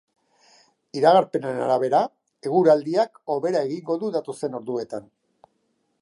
Iragarpenaren arabera, eguraldiak hobera egingo du datozen orduetan.